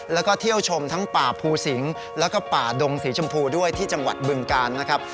แล้วก็เที่ยวชมทั้งป่าภูสิงแล้วก็ป่าดงสีชมพูด้วยที่จังหวัดบึงกาลนะครับ